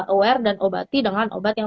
aware dan obati dengan obat yang